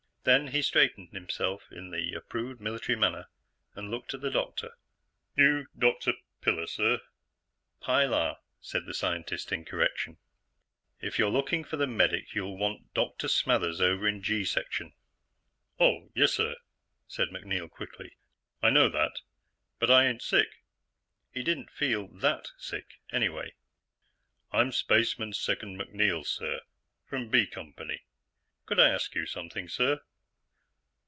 Then he straightened himself in the approved military manner and looked at the doctor. "You Dr. Piller? Sir?" "Pi_lar_," said the scientist in correction. "If you're looking for the medic, you'll want Dr. Smathers, over in G Section." "Oh, yessir," said MacNeil quickly, "I know that. But I ain't sick." He didn't feel that sick, anyway. "I'm Spaceman Second MacNeil, sir, from B Company. Could I ask you something, sir?"